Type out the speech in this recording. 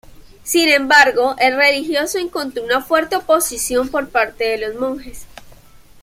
Sin embargo, el religioso encontró una fuerte oposición por parte de los monjes.